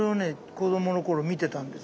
子どもの頃見てたんです。